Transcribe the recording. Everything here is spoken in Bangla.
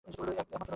একমাত্র নদী ভৈরব।